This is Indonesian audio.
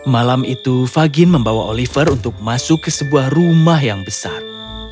malam itu fagin membawa oliver untuk masuk ke sebuah rumah yang besar